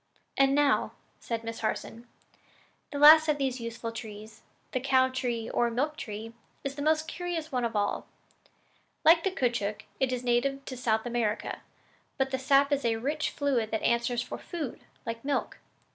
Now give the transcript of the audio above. "And now," said Miss Harson, "the last of these useful trees the cow tree, or milk tree is the most curious one of all. Like the caoutchouc, it is a native of South America; but the sap is a rich fluid that answers for food, like milk.